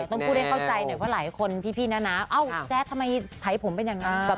ต้องพูดให้เข้าใจหน่อยเพราะหลายคนพี่นะเอ้าแจ๊ดทำไมไถผมเป็นอย่างนั้น